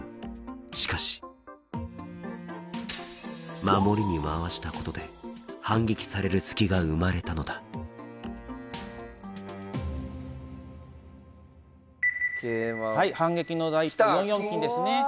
しかし守りに回したことで反撃される隙が生まれたのだ反撃の第一歩４四金ですね。